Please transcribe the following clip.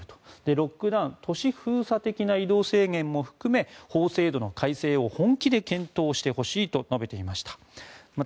ロックダウン、都市封鎖的な移動制限も含め法制度の改正を本気で検討してほしいと述べていました。